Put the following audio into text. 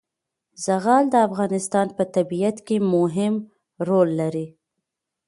زغال د افغانستان په طبیعت کې مهم رول لري.